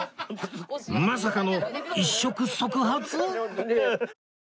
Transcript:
まさかの一触即発！？